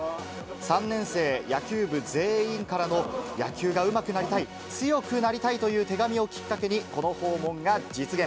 ３年生野球部全員からの、野球がうまくなりたい、強くなりたいという手紙をきっかけに、この訪問が実現。